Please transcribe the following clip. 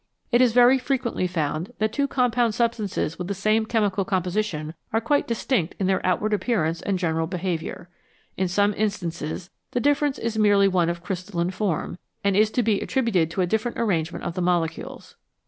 It is very frequently found that two compound substances with the same chemical composition are quite distinct in their outward appearance and general behaviour. In some instances the difference is merely one of crystalline form, and is to be attributed to a different arrangement of the molecules.